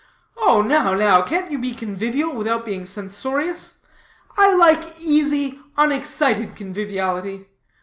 "Oh, now, now, can't you be convivial without being censorious? I like easy, unexcited conviviality.